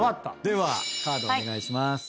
ではカードお願いします。